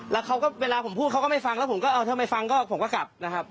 แล้วเขาก็เวลาผมพูดเขาก็ไม่ฟังแล้วผมก็เออถ้าไม่ฟังก็ผมก็กลับนะครับ